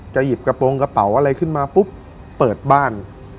หยิบกระโปรงกระเป๋าอะไรขึ้นมาปุ๊บเปิดบ้าน